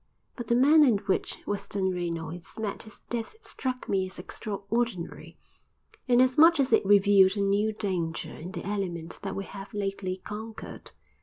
But the manner in which Western Reynolds met his death struck me as extraordinary, inasmuch as it revealed a new danger in the element that we have lately conquered.